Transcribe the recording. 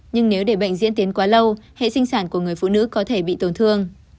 nhưng nếu để bệnh diễn tiến quá lâu hệ sinh sản của người phụ nữ có thể bị tổn thương